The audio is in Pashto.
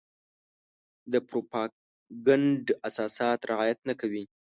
د پروپاګنډ اساسات رعايت نه کوي.